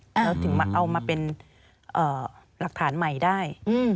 แล้วถึงมาเอามาเป็นหลักฐานใหม่ได้